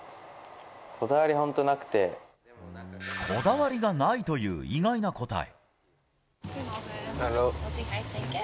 こだわり、こだわりがないという、意外な答え。